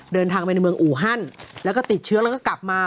เดินทางไปในเมืองอูฮันแล้วก็ติดเชื้อแล้วก็กลับมา